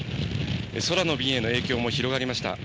空の便への影響も広がりました。